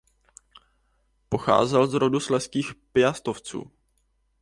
Pocházel z rodu slezských Piastovců.